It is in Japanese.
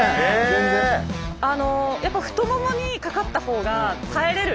あのやっぱ太ももにかかった方が耐えれる。